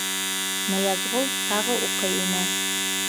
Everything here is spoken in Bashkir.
Ныязғол тағы уҡый ине: